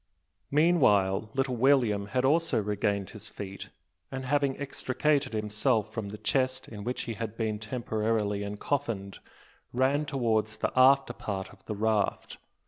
Meanwhile little William had also regained his feet; and, having extricated himself from the chest in which he had been temporarily encoffined, ran towards the after part of the raft.